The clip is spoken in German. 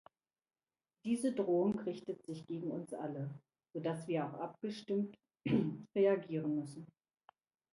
Diese Drohung richtet sich gegen uns alle, so dass wir auch abgestimmt reagieren müssen.